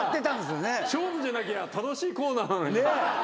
勝負じゃなきゃ楽しいコーナーなのに。